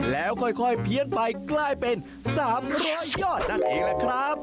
แล้วค่อยเพียนไปใกล้เป็นสามรอยยอดนั่นเองแหละครับ